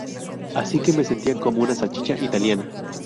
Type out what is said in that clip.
Así que me sentía como una salchicha italiana.